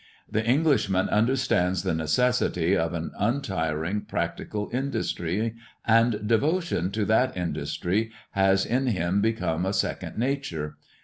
The Englishman understands the necessity of an untiring, practical industry and devotion to that industry has in him become a second nature.